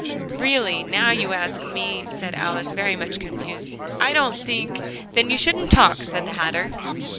"Really, now you ask me," said Alice, very much confused, "I don't think " "Then you shouldn't talk," said the Hatter.